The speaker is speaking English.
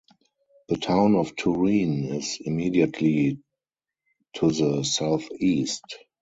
The town of Turin is immediately to the southeast.